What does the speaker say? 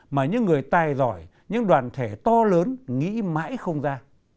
mà những người tài giỏi những đoàn thể to lớn nghĩ mãi không ra